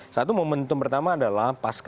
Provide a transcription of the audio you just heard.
satu momentum pertama adalah pasca pansus h angke